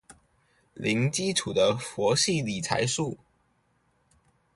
零基礎的佛系理財術